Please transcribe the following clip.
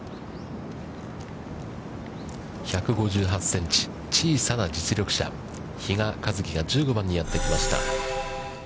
１５８センチ、小さな実力者、比嘉一貴が１５番にやってきました。